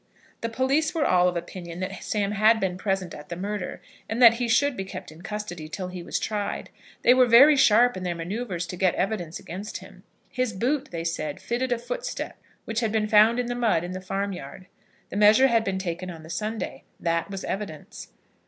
The police were all of opinion that Sam had been present at the murder, and that he should be kept in custody till he was tried. They were very sharp in their manoeuvres to get evidence against him. His boot, they had said, fitted a footstep which had been found in the mud in the farm yard. The measure had been taken on the Sunday. That was evidence.